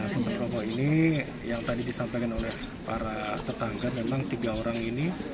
pemberi rokok ini yang tadi disampaikan oleh para tetangga memang tiga orang ini